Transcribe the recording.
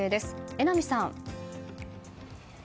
榎並さん。